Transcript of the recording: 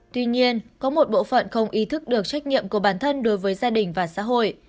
tuy nhiên có một bộ phận không ý thức được trách nhiệm của bản thân đối với gia đình và xã hội